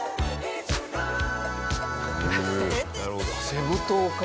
セブ島か。